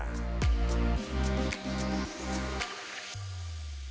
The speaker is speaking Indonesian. tim liputan cnn indonesia daerah istimewa yogyakarta